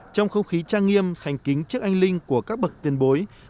trong không khí trang nghiêm thành kính trước anh linh của các bậc tiền bối